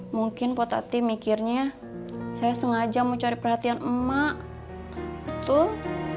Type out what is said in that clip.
mungkin pok tati mikirnya saya sengaja mau cari perhatian emak betul